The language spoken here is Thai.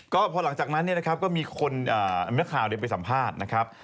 ก็พอหลังจากนั้นก็มีคนมีแมพข่าวเดี๋ยวไปสัมภาษณ์นะครับ